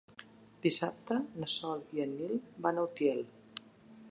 Dissabte na Sol i en Nil van a Utiel.